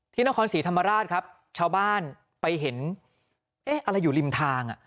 นครศรีธรรมราชครับชาวบ้านไปเห็นเอ๊ะอะไรอยู่ริมทาง